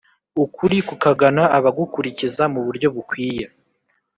ukuri kukagana abagukurikiza muburyo bukwiye